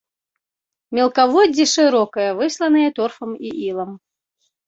Мелкаводдзе шырокае, высланае торфам і ілам.